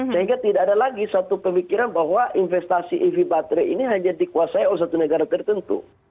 sehingga tidak ada lagi satu pemikiran bahwa investasi ev baterai ini hanya dikuasai oleh satu negara tertentu